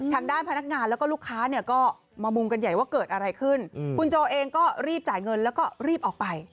ทางด้านพนักงานแล้วก็ลูกค้าเนี่ยก็มามุมกันใหญ่ว่าเกิดอะไรขึ้นคุณโจเองก็รีบจ่ายเงินแล้วก็รีบออกไป